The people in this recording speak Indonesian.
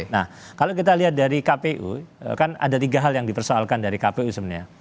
nah kalau kita lihat dari kpu kan ada tiga hal yang dipersoalkan dari kpu sebenarnya